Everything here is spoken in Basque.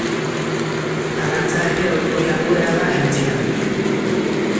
Arrantza ere ohiko jarduera da aintziran.